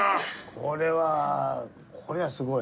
これはこれはすごい。